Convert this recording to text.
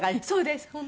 そうです。